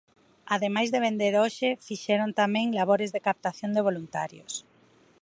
Ademais de vender hoxe fixeron tamén labores de captación de voluntarios.